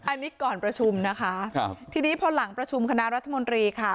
อันนี้ก่อนประชุมนะคะครับทีนี้พอหลังประชุมคณะรัฐมนตรีค่ะ